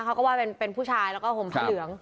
เขาก็ว่าเป็นผู้ชายแล้วก็ห่มผ้าเหลือง